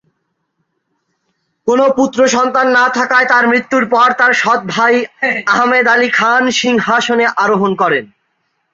কোন পুত্রসন্তান না থাকায় তার মৃত্যুর পর তার সৎ-ভাই আহমেদ আলী খান সিংহাসনে আরোহণ করেন।